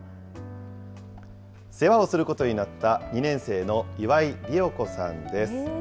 世話をすることになった２年生の岩井理桜子さんです。